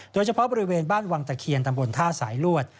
โดยเฉพาะบริเวณบ้านวังตะเคียนตำบลท่าสายลวด